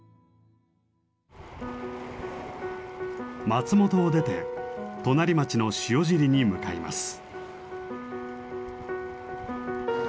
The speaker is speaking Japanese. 松本を出て隣町の塩尻に向かいます。